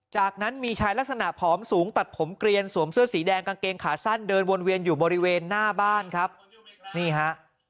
จากนั้นมีชายลักษณะผอมสูงตัดผมเกลียนสวมเสื้อสีแดงกางเกงขาสั้นเดินวนเวียนอยู่บริเวณหน้าบ้านครับนี่ฮะ